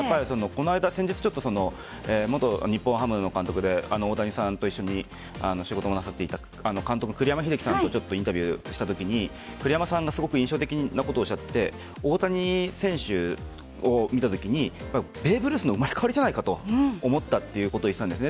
先日日本ハムの監督で大谷さんと一緒に仕事をなさっていた栗山英樹さんとインタビューしたときに栗山さんが印象的なことをおっしゃって大谷選手を見たときにベーブ・ルースの生まれ変わりじゃないかと思ったということを言っていたんです。